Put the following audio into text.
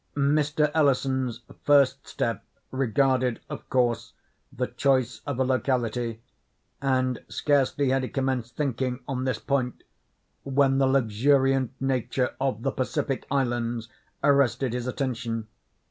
Mr. Ellison's first step regarded, of course, the choice of a locality, and scarcely had he commenced thinking on this point, when the luxuriant nature of the Pacific Islands arrested his attention.